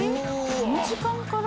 この時間から？